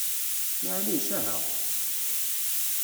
Maɛlic, aha!